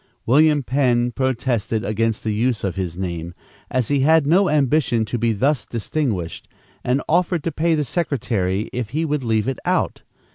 William Penn protested against the use of his name, as he had no ambition to be thus distinguished, and offered to pay the secretary if he would leave it out.